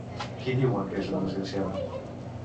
Qui diuen que és una desgraciada?